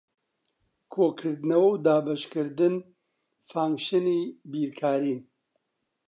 کۆکردنەوە و دابەشکردن فانکشنی بیرکارین.